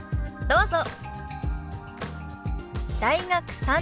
どうぞ。